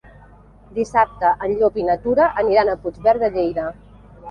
Dissabte en Llop i na Tura aniran a Puigverd de Lleida.